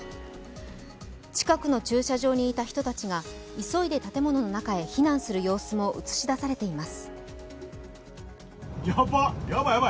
近くの駐車場にいた人たちが急いで建物の中へ避難する様子も映し出されています。